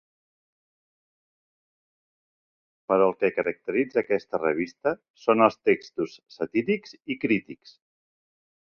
Però el que caracteritza aquesta revista són els textos satírics i crítics.